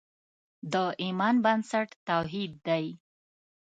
د ایمان بنسټ توحید دی.